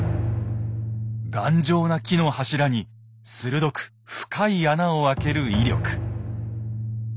頑丈な木の柱に鋭く深い穴を開ける威力。